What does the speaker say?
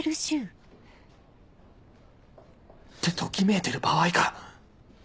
ってときめいてる場合か！